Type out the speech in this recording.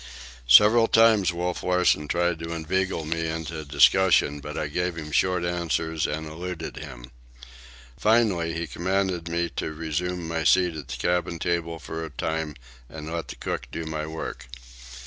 Several times Wolf Larsen tried to inveigle me into discussion, but I gave him short answers and eluded him. Finally, he commanded me to resume my seat at the cabin table for a time and let the cook do my work.